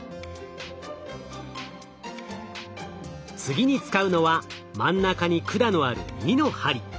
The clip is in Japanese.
次に使うのは真ん中に管のある２の針。